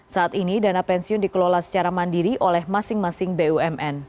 saat ini dana pensiun dikelola secara mandiri oleh masing masing bumn